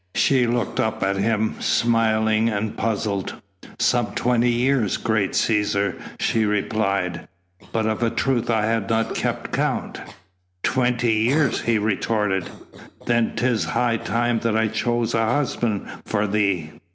She looked up at him, smiling and puzzled. "Some twenty years, great Cæsar," she replied, "but of a truth I had not kept count." "Twenty years?" he retorted, "then 'tis high time that I chose a husband for thee."